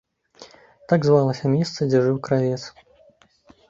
Так звалася месца, дзе жыў кравец.